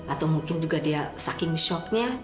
atau mungkin juga dia saking shock nya